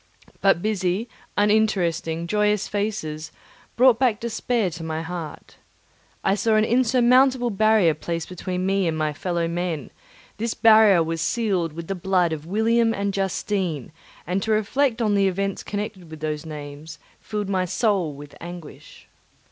But busy, uninteresting, joyous faces brought back despair to my heart. I saw an insurmountable barrier placed between me and my fellow men; this barrier was sealed with the blood of William and Justine, and to reflect on the events connected with those names filled my soul with anguish.